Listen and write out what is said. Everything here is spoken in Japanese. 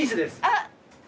あっ。